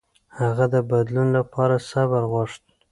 هغه د بدلون لپاره صبر غوښت.